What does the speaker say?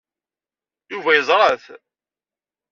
Yuba yerẓa-t.